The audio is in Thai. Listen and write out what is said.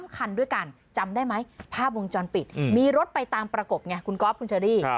๓คันด้วยกันจำได้ไหมภาพวงจรปิดมีรถไปตามประกบไงคุณก๊อฟคุณเชอรี่